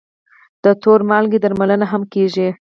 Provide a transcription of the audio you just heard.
د تور مالګې درملنه هم کېږي.